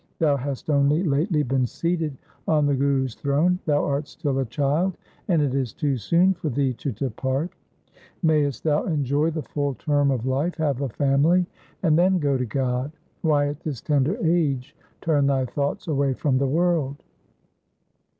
Thou hast only lately been seated on the Guru's throne, thou art still a child, and it is too soon for thee to depart. Mayest 326 THE SIKH RELIGION thou enjoy the full term of life, have a family, and then go to God ! Why at this tender age turn thy thoughts away from the world